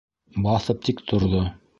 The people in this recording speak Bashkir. Баҫып тик торҙо.